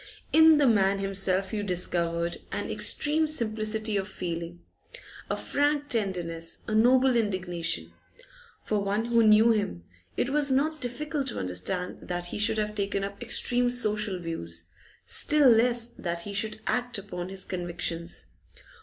In the man himself you discovered an extreme simplicity of feeling, a frank tenderness, a noble indignation. For one who knew him it was not difficult to understand that he should have taken up extreme social views, still less that he should act upon his convictions.